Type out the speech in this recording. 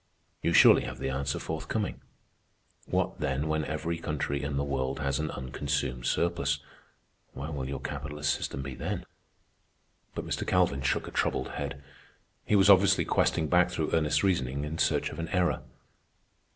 You surely have the answer forthcoming. What, then, when every country in the world has an unconsumed surplus? Where will your capitalist system be then?" But Mr. Calvin shook a troubled head. He was obviously questing back through Ernest's reasoning in search of an error.